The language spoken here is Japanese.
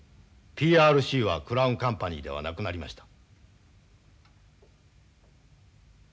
ＰＲＣはクラウンカンパニーではなくなりました。